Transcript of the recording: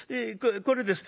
これです。